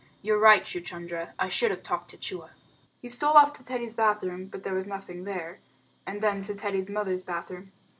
You're right, Chuchundra; I should have talked to Chua." He stole off to Teddy's bath room, but there was nothing there, and then to Teddy's mother's bathroom.